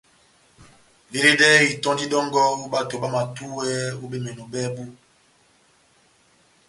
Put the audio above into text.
Veledɛhɛ itɔ́ndi dɔ́ngɔ ó bato bámatúwɛni ó bemɛnɔ bábu.